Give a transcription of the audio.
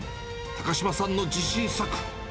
高島さんの自信作。